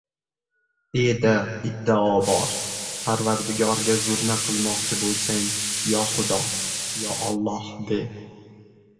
«E»da iddao bor. Parvardigorga zurna qilmoqchi bo‘lsang «Yo, xudo!» «Yo, Olloh!» — de.